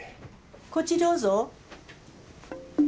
こっちどうぞ。